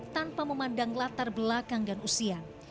tanpa memandang latar belakang dan usia